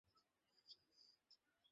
দ্রুত চালিয়ো না, এলি।